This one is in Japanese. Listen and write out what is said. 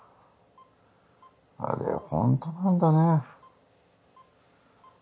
あれホントなんだね。